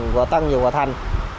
và tăng nhiều hòa thành